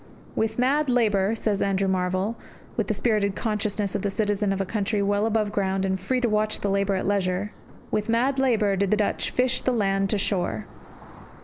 "With mad labour," says Andrew Marvell, with the spirited consciousness of the citizen of a country well above ground and free to watch the labour at leisure, "with mad labour" did the Dutch "fish the land to shore."